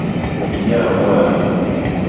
Yi ahua.